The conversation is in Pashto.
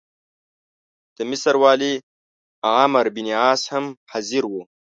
د مصر والي عمروبن عاص هم حاضر وو.